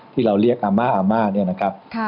ที่เราเรียกอาม่าอาม่าเนี่ยนะครับ